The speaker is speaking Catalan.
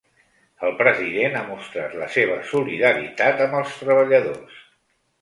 El president ha mostrat la seva solidaritat amb els treballadors.